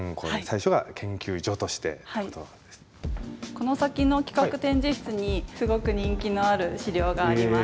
この先の企画展示室にすごく人気のある資料があります。